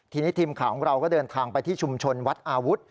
ทีนี้ทีมข่าวของเราก็เดินทางไปที่ชุมชนวัดอาวุธ